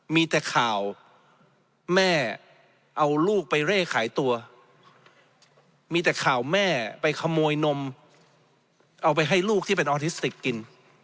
มีแต่ข่าวแม่เอาลูกไปเร่ขายตัวมีแต่ข่าวแม่ไปขโมยนมเอาไปให้ลูกที่เป็นออทิสติกกิน